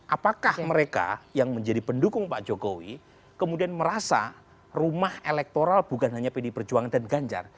apakah mereka yang menjadi pendukung pak jokowi kemudian merasa rumah elektoral bukan hanya pdi perjuangan dan ganjar